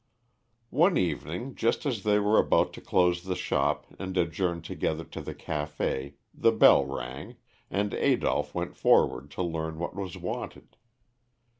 One evening, just as they were about to close the shop and adjourn together to the café, the bell rang, and Adolph went forward to learn what was wanted.